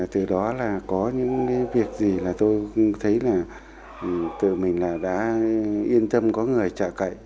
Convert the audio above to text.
từ đó là có những việc gì là tôi thấy là tự mình đã yên tâm có người trợ cậy